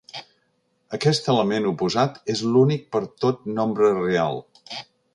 Aquest element oposat és únic per tot nombre real.